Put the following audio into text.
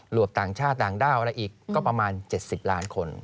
วบต่างชาติต่างด้าวอะไรอีกก็ประมาณ๗๐ล้านคน